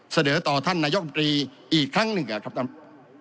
เสนอต่อท่านนายกรรมตรีอีกครั้งหนึ่งนะครับท่าน